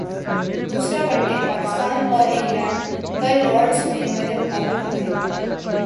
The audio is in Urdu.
دوسرا ون ڈے پاکستان اور انگلینڈ کل لارڈز میں مدمقابل ہونگے